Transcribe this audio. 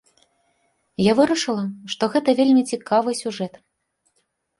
Я вырашыла, што гэта вельмі цікавы сюжэт.